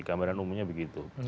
gambaran umumnya begitu